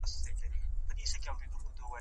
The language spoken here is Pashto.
ښه چاپیریال د ډار مخه نیسي.